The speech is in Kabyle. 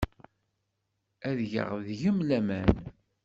Ad geɣ deg-m laman.